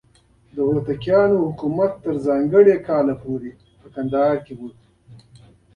د هوتکیانو حکومت تر ځانګړي کال پورې په کندهار کې و.